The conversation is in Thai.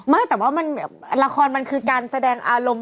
ไม่แต่ว่าละครมันคือการแสดงอารมณ์